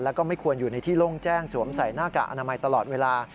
แล้วก็ไม่ควรอยู่ในที่โล่งแจ้งสวมใส่หน้ากากอนามัยตลอดเวลา